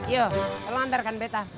yo lo nantarkan beta